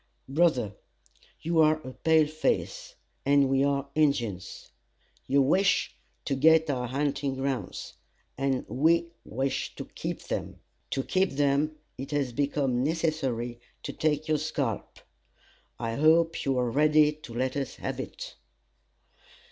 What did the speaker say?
"Brother, you are a pale face, and we are Injins. You wish to get our hunting grounds, and we wish to keep them. To keep them, it has become necessary to take your scalp. I hope you are ready to let us have it."